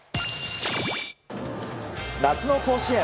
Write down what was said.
夏の甲子園。